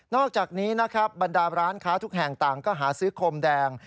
อกจากนี้นะครับบรรดาร้านค้าทุกแห่งต่างก็หาซื้อคมแดง